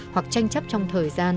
hoặc tranh chấp trong thời gian